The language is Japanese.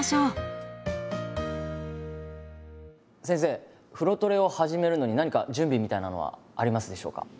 先生風呂トレを始めるのに何か準備みたいなのはありますでしょうか？